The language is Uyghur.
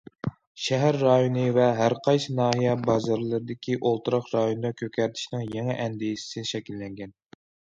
شەھەر رايونى ۋە ھەرقايسى ناھىيە بازارلىرىدىكى ئولتۇراق رايوندا كۆكەرتىشنىڭ يېڭى ئەندىزىسى شەكىللەنگەن.